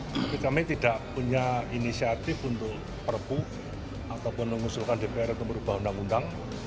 tapi kami tidak punya inisiatif untuk perpu ataupun mengusulkan dpr untuk merubah undang undang